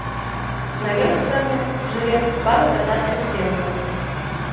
На ёй сёння жыве пару татарскіх сем'яў.